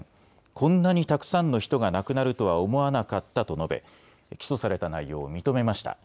こんなにたくさんの人が亡くなるとは思わなかったと述べ起訴された内容を認めました。